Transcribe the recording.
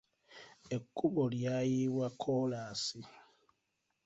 Ekkubo lyayiibwa kkoolaasi.